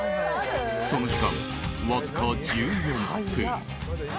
その時間わずか１４分。